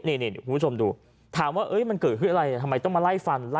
นี่คุณผู้ชมดูถามว่ามันเกิดขึ้นอะไรทำไมต้องมาไล่ฟันล่ะ